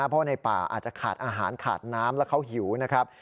เพราะว่าในป่าอาจจะขาดอาหารขาดน้ำแล้วเขาหิวนะครับ